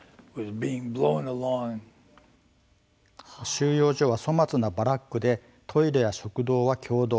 収容所は粗末なバラックでトイレや食堂は共同。